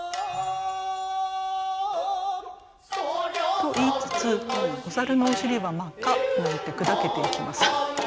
と言いつつ「お猿のお尻はまっか」なんて砕けていきます。